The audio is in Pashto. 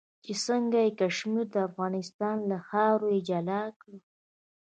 چې څنګه یې کشمیر د افغانستان له خاورې جلا کړ.